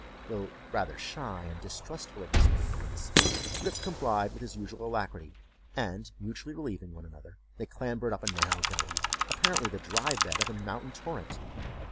Though rather shy and distrustful of this new acquaintance, Rip complied with his usual alacrity; and mutually relieving one another, they clambered up a narrow gully, apparently the dry bed of a mountain torrent.